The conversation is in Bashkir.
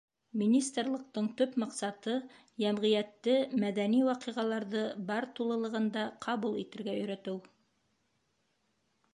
Министрлыҡтың төп маҡсаты — йәмғиәтте мәҙәни ваҡиғаларҙы бар тулылығында ҡабул итергә өйрәтеү.